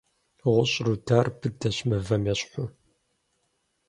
ГъущӀ рудар быдэщ, мывэм ещхьу.